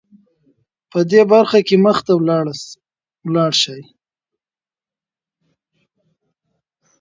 په دې برخه کې مخته ولاړه شې .